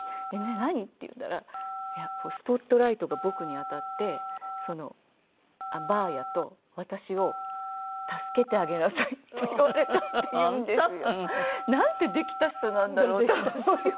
「何？」って言ったらスポットライトが僕に当たってばあやと私を助けてあげなさいって言われたって言うんですよ。なんてできた人なんだろうと思います。